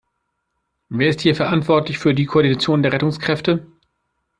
Wer ist hier verantwortlich für die Koordination der Rettungskräfte?